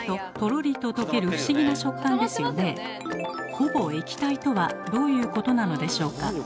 ほぼ液体とはどういうことなのでしょうか？